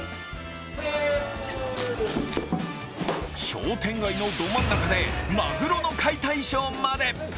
商店街のど真ん中でまぐろの解体ショーまで。